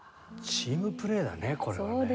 チームプレーだねこれはね。